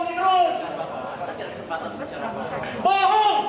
bapak bapak juga dibohongi terus